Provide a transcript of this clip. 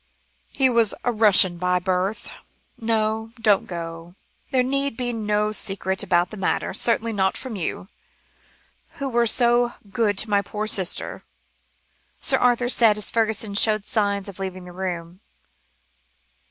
"He was a Russian by birth no, don't go, there need be no secret about the matter, certainly not from you, who were so good to my poor sister," Sir Arthur said, as Fergusson showed signs of leaving the room.